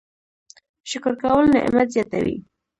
شکر کول نعمت زیاتوي